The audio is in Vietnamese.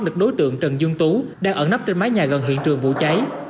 được đối tượng trần dương tú đang ẩn nắp trên mái nhà gần hiện trường vụ cháy